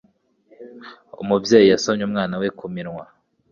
Umubyeyi yasomye umwana we ku minwa.